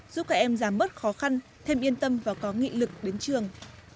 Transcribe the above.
giúp các em giảm bớt khó khăn thêm yên tâm và có nghị lực đến trường